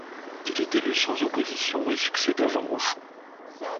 Il est élu sans opposition et succède à Jean Rochon.